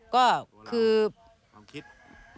ก็คือ